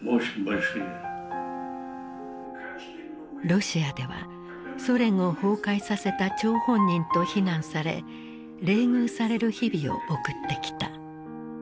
ロシアではソ連を崩壊させた張本人と非難され冷遇される日々を送ってきた。